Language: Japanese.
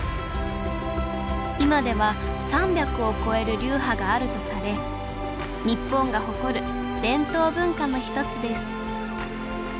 今では３００を超える流派があるとされ日本が誇る伝統文化の１つです